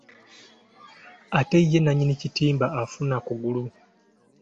Ate ye nnannyini kitimba afuna kugulu.